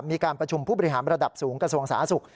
มีการประชุมผู้บริหารระดับสูงกระทรวงสาธารณสุข